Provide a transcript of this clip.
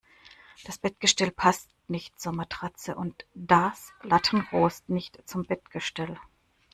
Das Bettgestell passt nicht zur Matratze und das Lattenrost nicht zum Bettgestell.